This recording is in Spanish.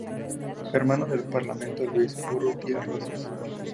Hermano del parlamentario Luis Urrutia Rozas.